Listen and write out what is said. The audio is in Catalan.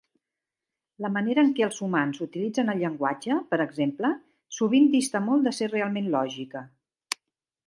La manera en què els humans utilitzen el llenguatge, per exemple, sovint dista molt de ser realment lògica.